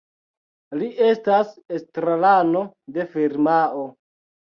Li estas estrarano de firmao.